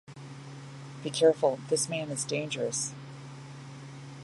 Be careful, this man is dangerous.